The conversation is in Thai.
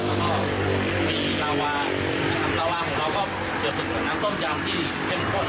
แล้วก็มีลาวาลาวาของเราก็เกี่ยวสึกเหมือนน้ำต้นยำที่เข้มข้น